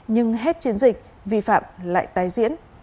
nhưng hết chiến dịch vi phạm lại tái diễn